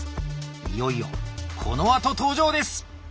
いよいよこのあと登場です！